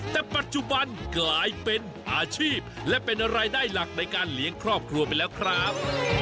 แต่ปัจจุบันกลายเป็นอาชีพและเป็นรายได้หลักในการเลี้ยงครอบครัวไปแล้วครับ